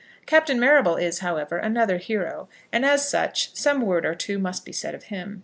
Captain Marrable is, however, another hero, and, as such, some word or two must be said of him.